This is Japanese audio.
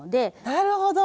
なるほど！